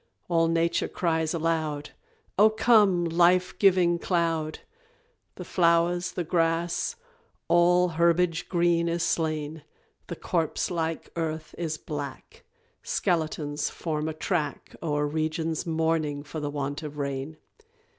All Nature cries aloud Oh, come, life giving cloud! The flowers, the grass, all herbage green is slain, The corpse like earth is black, Skeletons form a track O'er regions mourning for the want of rain.